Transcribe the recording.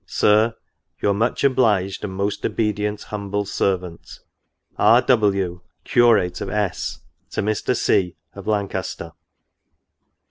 Sir, *' Your much obliged and most obedient humble Servant, " R. W., Curate of S —" To Mr. C, of Lancaster."